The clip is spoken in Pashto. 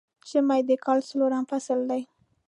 ژمی د کال څلورم فصل دی